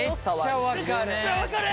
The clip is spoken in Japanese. めっちゃ分かる。